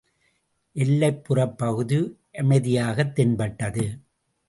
எல்லைப்புறப் பகுதி அமைதியாகத் தென்பட்டது.